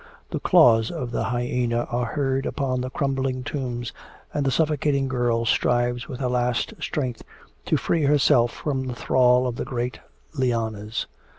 The claws of the hyena are heard upon the crumbling tombs and the suffocating girl strives with her last strength to free herself from the thrall of the great lianas.